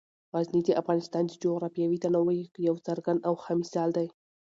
غزني د افغانستان د جغرافیوي تنوع یو څرګند او ښه مثال دی.